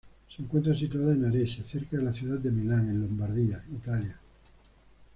Se encuentra situada en Arese, cerca de la ciudad de Milán, en Lombardia, Italia.